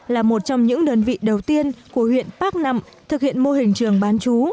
là một trong những đơn vị đầu tiên của huyện bắc nậm thực hiện mô hình trường bán chú